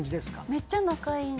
めっちゃ仲いいんで。